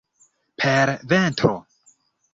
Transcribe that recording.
Per ventro!